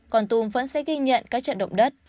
con tum vẫn sẽ ghi nhận các trận động đất